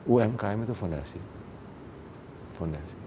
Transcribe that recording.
umkm itu fondasi